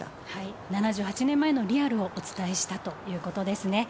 ７８年前のリアルをお伝えしたということですね。